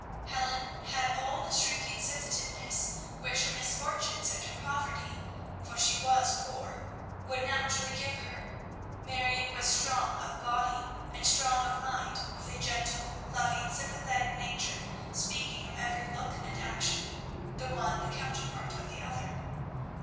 Helen had all the shrinking sensitiveness which her misfortunes and her poverty for she was poor would naturally give her. Marion was strong of body, and strong of mind, with a gentle, loving, sympathetic nature speaking from every look and action; the one, the counterpart of the other.